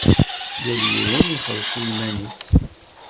Yal yiwen ixelleṣ i yiman-is.